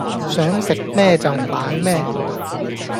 想食咩就買咩